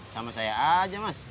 sama saya aja mas